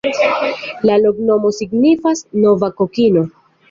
La loknomo signifas: nova-kokino.